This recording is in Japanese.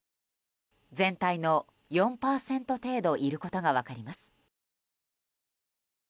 全体の４％程度いることが分かります。